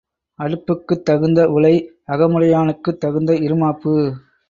அடுப்புக்குத் தகுந்த உலை, அகமுடையானுக்குத் தகுந்த இறுமாப்பு.